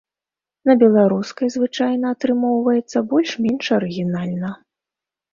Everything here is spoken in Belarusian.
На беларускай звычайна атрымоўваецца больш-менш арыгінальна.